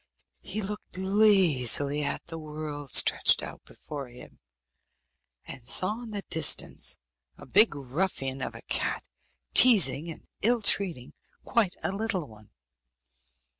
He looked lazily at the world stretched out before him, and saw in the distance a big ruffian of a cat teasing and ill treating quite a little one.